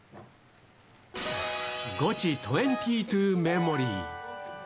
ゴチ２２メモリー。